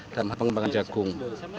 dalam pengembangan jagung